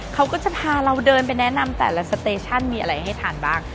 เขาก็จะพาเราเดินไปแนะนำแต่ละสเตชั่นมีอะไรให้ทานบ้าง